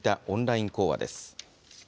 オンライン講話です。